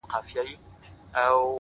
ډېـــره شناخته مي په وجود كي ده _